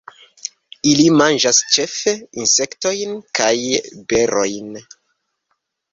Ili manĝas ĉefe insektojn kaj berojn.